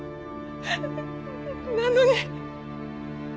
なのに。